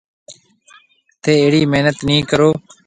ٿَي اھڙِي محنت نِي ڪرو۔